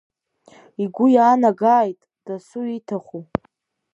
Игәы иаанагааит дасу ииҭаху.